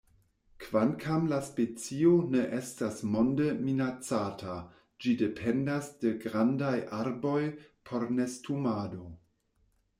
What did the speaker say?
Kvankam la specio ne estas monde minacata, ĝi dependas de grandaj arboj por nestumado.